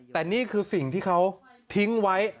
แต่นี่คือสิ่งที่เขาทิ้งไว้